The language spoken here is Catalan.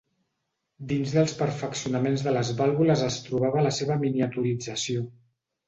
Dins dels perfeccionaments de les vàlvules es trobava la seva miniaturització.